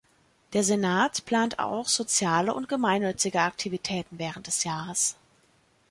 Der Senat plant auch soziale und gemeinnützige Aktivitäten während des Jahres.